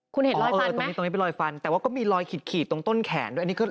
คุณเห็นรอยเออตรงนี้ตรงนี้เป็นรอยฟันแต่ว่าก็มีรอยขีดตรงต้นแขนด้วยอันนี้คือ